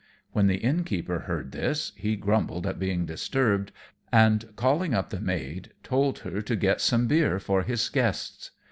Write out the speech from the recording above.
When the Innkeeper heard this he grumbled at being disturbed, and calling up the maid told her to get some beer for his guests.